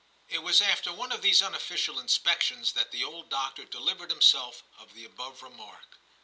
It was after one of these unofficial inspections that the old doctor delivered himself of the above remark.